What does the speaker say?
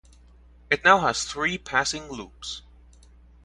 It now has three passing loops.